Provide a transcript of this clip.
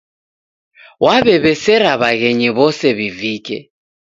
W'aw'ew'esera w'aghenyi w'ose w'ivike